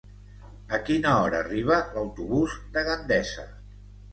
A quina hora arriba l'autobús de Gandesa?